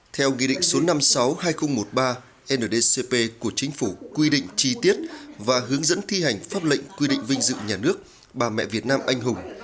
theo nghị định số năm mươi sáu hai nghìn một mươi ba ndcp của chính phủ quy định chi tiết và hướng dẫn thi hành pháp lệnh quy định vinh dự nhà nước bà mẹ việt nam anh hùng